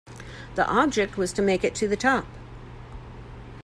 The object was to make it to the top.